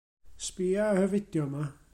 Sbïa ar y fideo 'ma.